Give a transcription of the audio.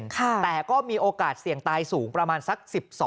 แต่ก็มีโอกาสเสี่ยงตายสูงประมาณสัก๑๒